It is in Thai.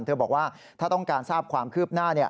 บอกว่าถ้าต้องการทราบความคืบหน้า